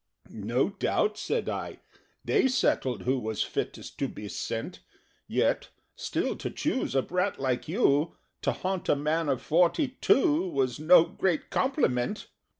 "No doubt," said I, "they settled who Was fittest to be sent: Yet still to choose a brat like you, To haunt a man of forty two, Was no great compliment!"